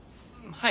はい。